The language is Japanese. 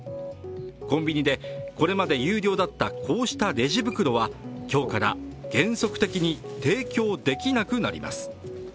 コンビニで、これまで有料だったこうしたレジ袋は今日から原則的に提供できなくなります。